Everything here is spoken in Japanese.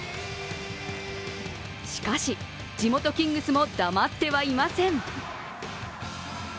しかし、地元、キングスも黙ってはいません。